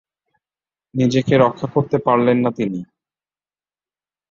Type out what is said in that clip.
নিজেকে রক্ষা করতে পারলেন না তিনি।